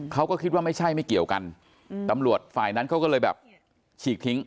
เขาก็คิดว่าไม่ใช่ไม่เกี่ยวกันตำรวจฝ่ายนั้นเขาก็เลยแบบฉีกทิ้ง